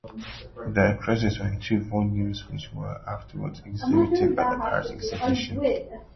The addresses were in two volumes, which were afterwards exhibited at the Paris Exhibition.